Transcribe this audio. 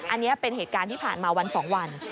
อันนี้เป็นเหตุการณ์ที่ผ่านมาวัน๒วัน